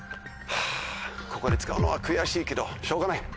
ここで使うのは悔しいけどしょうがない。